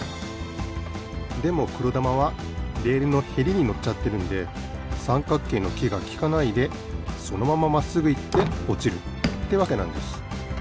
でもくろだまはレールのヘリにのっちゃってるんでさんかっけいのきがきかないでそのまままっすぐいっておちるってわけなんです。